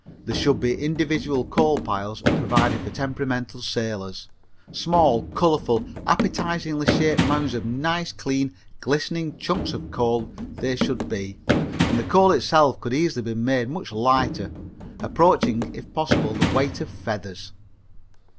There should be individual coal piles provided for temperamental sailors. Small, colorful, appetizingly shaped mounds of nice, clean, glistening chunks of coal they should be, and the coal itself could easily be made much lighter, approaching if possible the weight of feathers.